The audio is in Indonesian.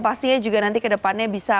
pastinya juga nanti kedepannya bisa